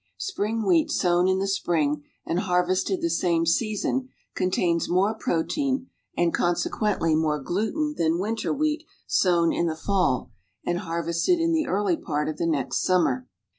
Spring wheat sown in the spring and harvested the same season contains more protein and, consequently, more gluten than winter wlieat sown in the fall and harvested in the early part of the next sununer.